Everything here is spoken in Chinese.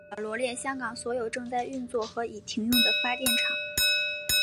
下表罗列香港所有正在运作和已停用的发电厂。